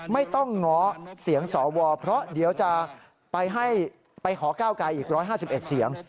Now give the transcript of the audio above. ไม่ต้องง้อเสียงสวเพราะเดี๋ยวจะไปขอก้าวกายอีก๑๕๑เสียง